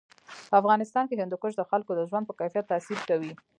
په افغانستان کې هندوکش د خلکو د ژوند په کیفیت تاثیر کوي.